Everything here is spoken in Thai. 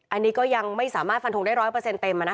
อันนี้ก็ยังไม่สามารถฟันทงได้๑๐๐เต็ม